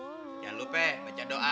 jangan lupa baca doa